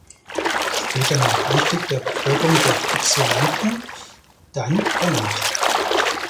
Später nach Anstieg der Bevölkerung durch Exulanten dann danach.